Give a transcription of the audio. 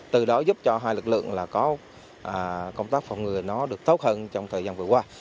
từ đó giúp cho hai lực lượng có công tác phòng ngừa nó được tốt hơn trong thời gian vừa qua